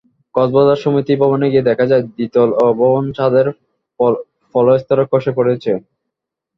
কক্সবাজার সমিতি ভবনে গিয়ে দেখা যায়, দ্বিতল ভবনের ছাদের পলেস্তারা খসে পড়েছে।